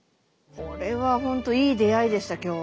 これは本当いい出会いでした今日は。